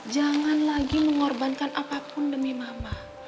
jangan lagi mengorbankan apapun demi mama